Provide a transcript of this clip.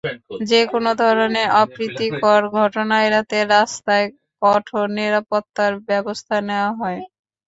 যেকোনো ধরনের অপ্রীতিকর ঘটনা এড়াতে রাস্তায় কঠোর নিরাপত্তার ব্যবস্থা নেওয়া হয়।